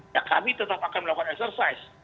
ya kami tetap akan melakukan exercise